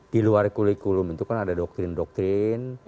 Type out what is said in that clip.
di luar kurikulum itu kan ada doktrin doktrin